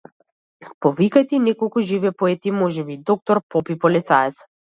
Повикајте и неколку живи поети, можеби и доктор, поп и полицаец.